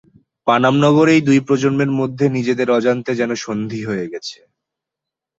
পানাম নগরেই দুই প্রজন্মের মধ্যে নিজেদের অজান্তে যেন সন্ধি হয়ে গেছে।